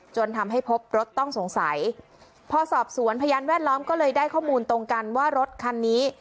จนทำให้พบรถต้องสงสัยพอสอบสวนพยานแวดล้อมก็เลยได้ข้อมูลตรงกันว่ารถคันนี้